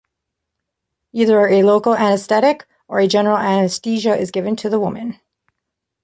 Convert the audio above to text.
Either a local anesthetic or general anesthesia is given to the woman.